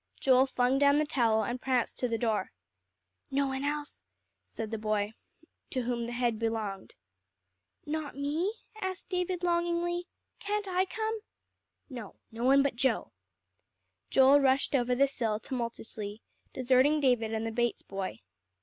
Joel flung down the towel, and pranced to the door. "No one else," said the boy to whom the head belonged. "Not me?" asked David longingly. "Can't I come?" "No no one but Joe." Joel rushed over the sill tumultuously, deserting David and the Bates boy.